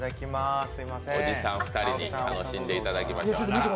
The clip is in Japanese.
おじさん２人に楽しんでいただきましょう。